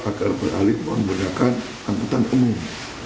agar beralih menggunakan angkutan umum